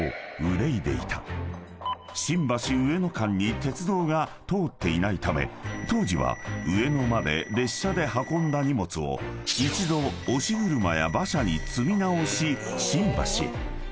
［新橋・上野間に鉄道が通っていないため当時は上野まで列車で運んだ荷物を一度押し車や馬車に積み直し新橋へ］